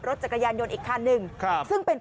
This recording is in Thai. โรดเจ้าเจ้าเจ้าเจ้าเจ้าเจ้าเจ้าเจ้า